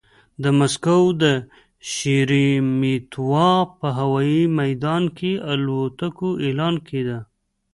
د مسکو د شېرېمېتوا په هوايي ميدان کې الوتکو اعلان کېده.